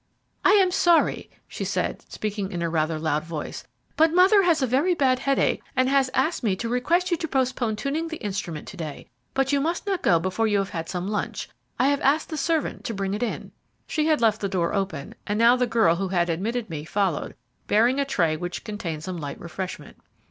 "I am sorry," she said, speaking in a rather loud voice, "but mother has a very bad headache, and has asked me to request you to postpone tuning the instrument to day; but you must not go before you have had some lunch. I have asked the servant to bring it in." She had left the door open, and now the girl who had admitted me followed, bearing a tray which contained some light refreshment.